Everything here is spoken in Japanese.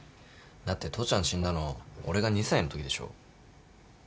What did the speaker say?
だって父ちゃん死んだの俺が２歳のときでしょ？